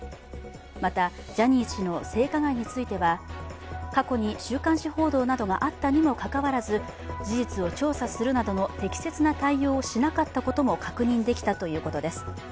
また、ジャニー氏の性加害については過去に週刊誌報道があったにもかかわらず事実を調査するなどの適切な対応をしなかったことも確認できたということです。